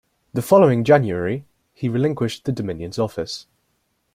The following January, he relinquished the Dominions Office.